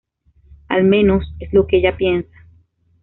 Al menos, es lo que ella piensa.